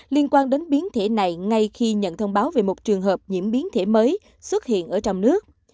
liên quan đến biến thể này ngay khi nhận thông báo về một trường hợp nhiễm biến thể mới xuất hiện ở trong nước